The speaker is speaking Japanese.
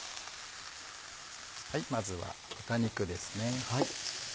まずは豚肉ですね。